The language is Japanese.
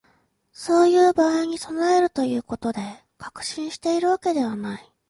そういう場合に備えるということで、確信しているわけではない